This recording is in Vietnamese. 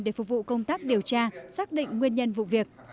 để phục vụ công tác điều tra xác định nguyên nhân vụ việc